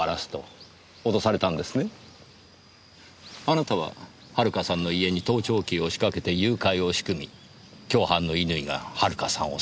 あなたは遥さんの家に盗聴器を仕掛けて誘拐を仕組み共犯の乾が遥さんをさらった。